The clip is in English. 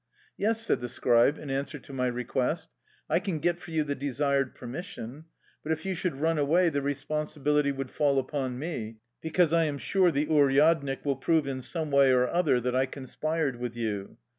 "Yes," said the scribe in answer to my re quest, " I can get for you the desired permission. But if you should run away the responsibility would fall upon me, because I am sure the uryadnik will prove in some way or other that I conspired with you.